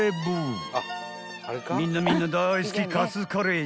［みんなみんな大好きカツカレーじゃが